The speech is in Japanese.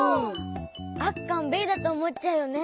あっかんべえだとおもっちゃうよね。